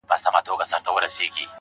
لکه انار دانې، دانې د ټولو مخته پروت يم.